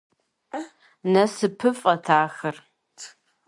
Насыпыфӏэт ахэр!